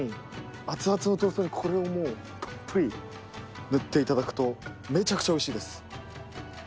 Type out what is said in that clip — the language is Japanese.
熱々のトーストにこれをもうたっぷり塗っていただくとめちゃくちゃおいしいです。